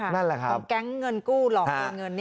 นั่นแหละครับแก๊งเงินกู้หลอกโอนเงิน